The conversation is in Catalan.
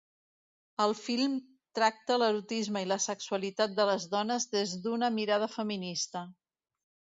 El film tracta l'erotisme i la sexualitat de les dones des d'una mirada feminista.